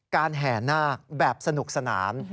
แห่นาคแบบสนุกสนาน